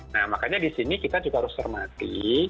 nah makanya di sini kita juga harus cermati